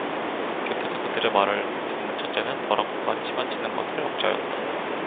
곁에서 그들의 말을 듣는 첫째는 버럭 화가 치받치는 것을 억제하였다.